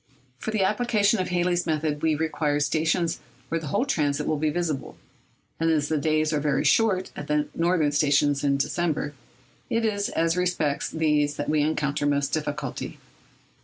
For the application of Halley's method we require stations where the whole transit will be visible; and as the days are very short at the northern stations in December, it is as respects these that we encounter most difficulty.